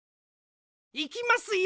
いきますよ！